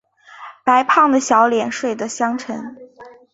白胖的小脸睡的香沉